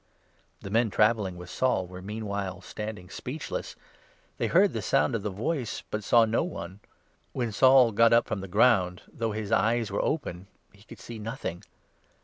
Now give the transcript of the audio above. The men travelling with Saul were meanwhile standing 7 speechless ; they heard the sound of the voice, but saw no one. When Saul got up from the ground, though his eyes were 8 open, he could see nothing.